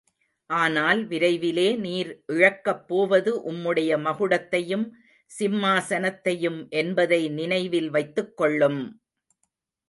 ஆனால் விரைவிலே நீர் இழக்கப் போவது உம்முடைய மகுடத்தையும், சிம்மாசனத்தையும் என்பதை நினைவில் வைத்துக்கொள்ளும்!